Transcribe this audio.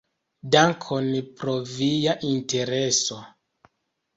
Dankon pro via intereso!